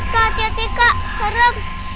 kak hati hati kak serem